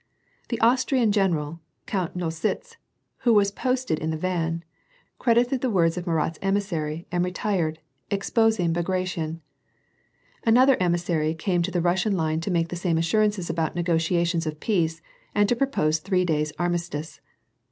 The Aus trian general, Count Nostitz, who was posted in the van, cred ited the words of Alurat's emissaiy, and retired, exposing Bagration. Another emissary came to the Russian line to make the same assurances about negotiations of peace, and to propose three days' armistice.